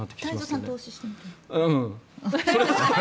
太蔵さん投資してみたら。